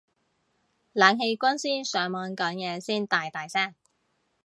冷氣軍師上網講嘢先大大聲